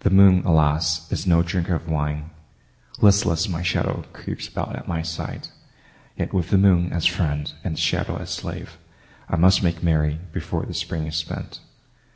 The moon, alas, is no drinker of wine; Listless, my shadow creeps about at my side. Yet with the moon as friend and the shadow as slave I must make merry before the Spring is spent.